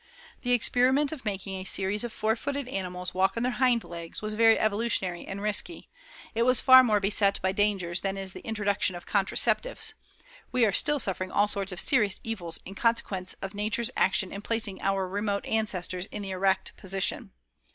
The experiment of making a series of four footed animals walk on their hind legs was very evolutionary and risky; it was far more beset by dangers than is the introduction of contraceptives; we are still suffering all sorts of serious evils in consequence of Nature's action in placing our remote ancestors in the erect position.